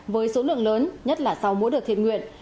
với số lượng lớn nhất là sau mỗi đợt thiện nguyện